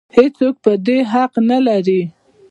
هېڅ څوک د دې حق نه لري.